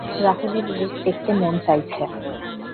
রাহুলের লেক দেখতে মন চাইছে।